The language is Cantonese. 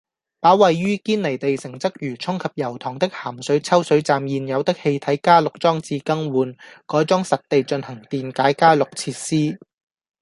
把位於堅尼地城、鰂魚涌及油塘的鹹水抽水站現有的氣體加氯裝置更換，改裝實地進行電解加氯設施